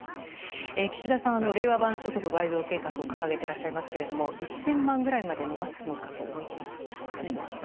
岸田さんは令和版所得倍増計画を掲げていらっしゃいますが１０００万円ぐらいまで伸ばすのでしょうか？